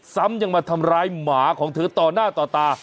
ซ้ำยังมาทำร้ายหมาของเธอต่อหน้าต่อตา